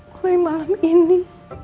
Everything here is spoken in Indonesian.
mulai malam ini